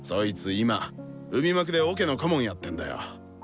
今海幕でオケの顧問やってんだよ。